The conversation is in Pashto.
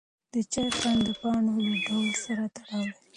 د چای خوند د پاڼو له ډول سره تړاو لري.